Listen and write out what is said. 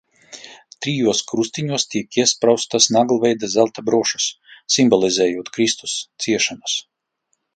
Trijos krustiņos tiek iespraustas naglveida zelta brošas, simbolizējot Kristus ciešanas.